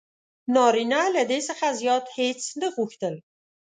نارینه له دې څخه زیات هیڅ نه غوښتل: